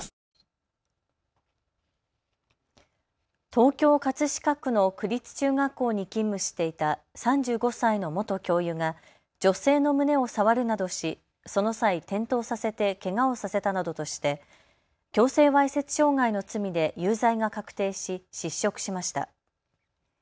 東京葛飾区の区立中学校に勤務していた３５歳の元教諭が女性の胸を触るなどしその際、転倒させてけがをさせたなどとして強制わいせつ傷害の罪で有罪が確定し失職しました。